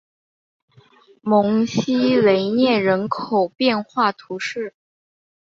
蒙西雷涅人口变化图示